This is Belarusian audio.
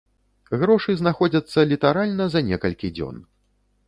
Грошы знаходзяцца літаральна за некалькі дзён.